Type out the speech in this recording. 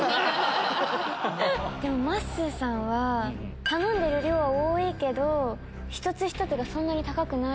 まっすーさんは頼んでる量は多いけど一つ一つがそんなに高くない。